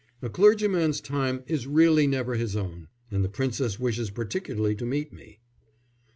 A clergyman's time is really never his own, and the Princess wishes particularly to meet me."